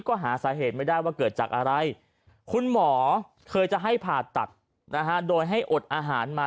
ก็หาสาเหตุไม่ได้ว่าเกิดจากอะไรคุณหมอเคยจะให้ผ่าตัดนะฮะโดยให้อดอาหารมา